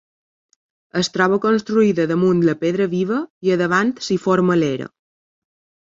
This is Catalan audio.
Es troba construïda damunt la pedra viva i a davant s'hi forma l'era.